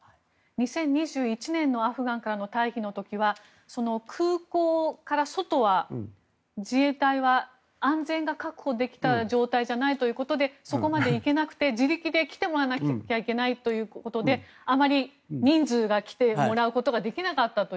２０２１年のアフガンからの退避の時は空港から外は自衛隊は安全が確保できた状態じゃないということでそこまで行けなくて自力で来てもらわなきゃいけないということであまり、人数が来てもらうことができなかったという。